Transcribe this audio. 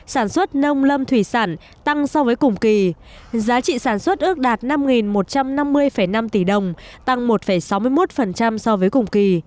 sản xuất nông lâm thủy sản tăng so với cùng kỳ giá trị sản xuất ước đạt năm một trăm năm mươi năm tỷ đồng tăng một sáu mươi một so với cùng kỳ